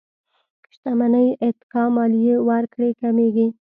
شتمنۍ اتکا ماليې ورکړې کمېږي.